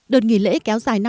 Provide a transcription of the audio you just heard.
đợt nghỉ lễ kéo dài năm năm